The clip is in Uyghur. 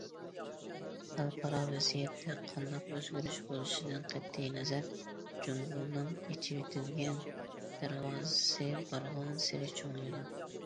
خەلقئارا ۋەزىيەتتە قانداق ئۆزگىرىش بولۇشىدىن قەتئىينەزەر، جۇڭگونىڭ ئېچىۋېتىلگەن دەرۋازىسى بارغانسېرى چوڭىيىدۇ.